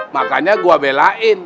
makanya gua belain